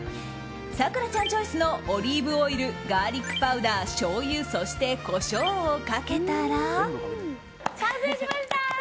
咲楽ちゃんチョイスのオリーブオイルガーリックパウダー、しょうゆそしてコショウをかけたら。